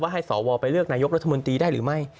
ให้สวไปเลือกนายกรัฐมนตรีได้หรือไม่